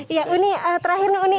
iya uni terakhir nih uni